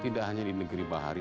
tidak hanya di negeri bahari